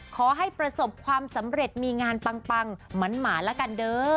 ขอให้ประสบความสำเร็จมีงานปังมันหมาแล้วกัน